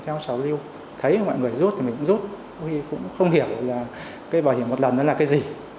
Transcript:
theo trả lưu thấy mọi người rút thì mình cũng rút cũng không hiểu là cái bảo hiểm một lần đó là cái gì